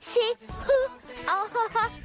ชิฮึโอ้โห